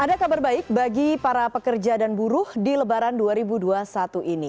ada kabar baik bagi para pekerja dan buruh di lebaran dua ribu dua puluh satu ini